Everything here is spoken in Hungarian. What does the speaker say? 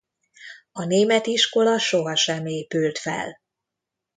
A német iskola sohasem épült fel.